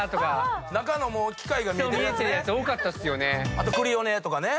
あとクリオネとかね。